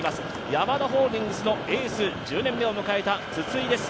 ヤマダホールディングスのエース、１０年目を迎えた筒井です。